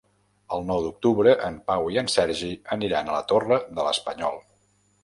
El nou d'octubre en Pau i en Sergi aniran a la Torre de l'Espanyol.